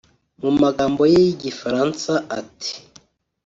(mu magambo ye y’igifaransa ati